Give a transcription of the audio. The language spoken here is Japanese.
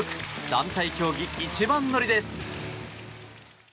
団体競技一番乗りです。